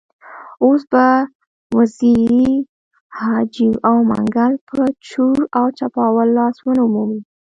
اوس به وزیري، جاجي او منګل په چور او چپاول لاس ونه مومي.